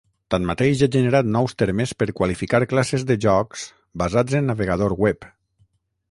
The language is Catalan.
Tanmateix ha generat nous termes per qualificar classes de jocs basats en navegador web.